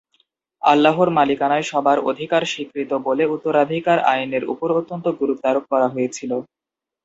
আল্লাহর মালিকানায় সবার অধিকার স্বীকৃত বলে উত্তরাধিকার আইনের ওপর অত্যন্ত গুরুত্বারোপ করা হয়েছিলো।